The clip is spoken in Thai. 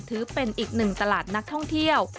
ถือเป็นอีกหนึ่งตลาดนักท่องเที่ยว